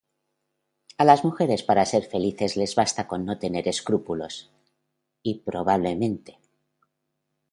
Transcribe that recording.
a las mujeres para ser felices les basta con no tener escrúpulos, y probablemente